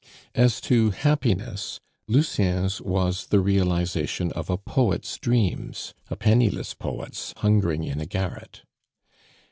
As to happiness, Lucien's was the realization of a poet's dreams a penniless poet's, hungering in a garret.